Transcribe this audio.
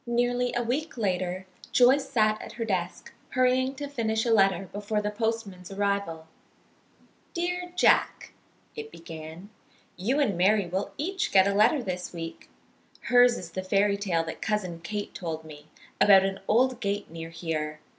Nearly a week later Joyce sat at her desk, hurrying to finish a letter before the postman's arrival. "Dear Jack," it began. "You and Mary will each get a letter this week. Hers is the fairy tale that Cousin Kate told me, about an old gate near here.